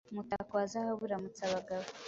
Umutako wa zahabu uramutsa abagabo